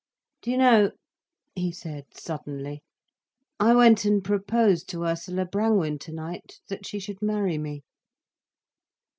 "Do you know," he said suddenly, "I went and proposed to Ursula Brangwen tonight, that she should marry me."